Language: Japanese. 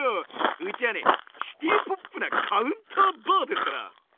うちはシティーポップなカウンターバーですから。